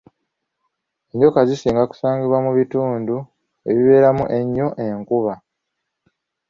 Enjoka zisinga kusangibwa mu bitundu ebibeeramu ennyo enkuba.